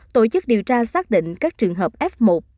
tổ chức điều tra xác định các trường hợp f một